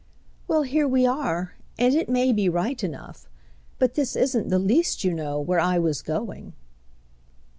"Well, here we are, and it may be right enough; but this isn't the least, you know, where I was going."